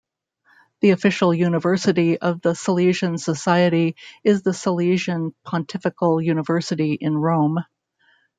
The official university of the Salesian Society is the Salesian Pontifical University in Rome.